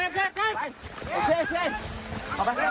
เอาออกไป